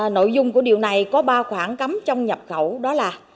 nội dung của điều này có ba khoảng cấm trong nhập khẩu đó là